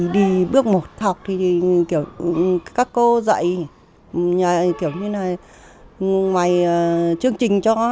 đi bước một học thì kiểu các cô dạy kiểu như là ngoài chương trình cho